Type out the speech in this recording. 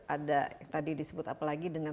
ada tadi disebut apa lagi dengan